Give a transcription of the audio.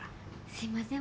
すいません。